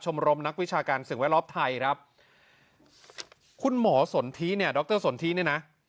รมนักวิชาการสิ่งแวดล้อมไทยครับคุณหมอสนทิเนี่ยดรสนทิเนี่ยนะ